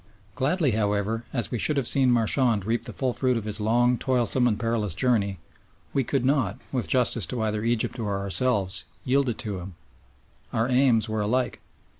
Gladly, however, as we should have seen Marchand reap the full fruit of his long, toilsome, and perilous journey, we could not, with justice to either Egypt or ourselves, yield it to him. Our aims were alike.